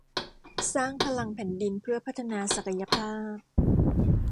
สร้างพลังแผ่นดินเพื่อพัฒนาศักยภาพ